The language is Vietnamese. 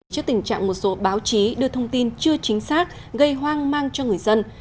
trước tình trạng một số báo chí đưa thông tin chưa chính xác gây hoang mang cho người dân